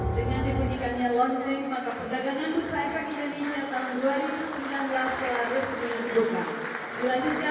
dengan dibunyikannya launching maka perdagangan bursa efek indonesia tahun dua ribu sembilan belas telah resmi dibuka